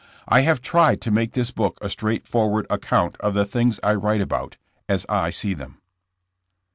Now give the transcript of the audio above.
I have tried to make this book a straightforward account of the things I write about, as I see them.